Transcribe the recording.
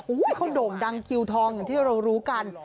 เขาโด่งดังคิวทองอย่างที่เรารู้กัน